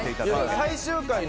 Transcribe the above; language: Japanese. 最終回の？